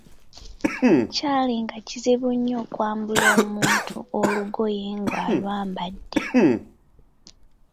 Kyaali nga kizibu nnyo okwambula omuntu olugoye ng'alwambadde.